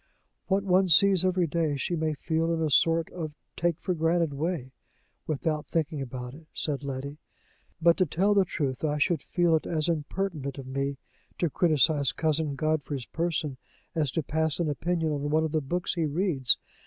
"What one sees every day, she may feel in a sort of take for granted way, without thinking about it," said Letty. "But, to tell the truth, I should feel it as impertinent of me to criticise Cousin Godfrey's person as to pass an opinion on one of the books he reads.